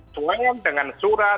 selain dengan surat